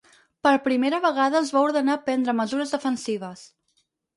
Per primera vegada els va ordenar prendre mesures defensives.